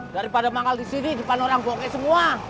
daripada manggal di sini di panoram gue oke semua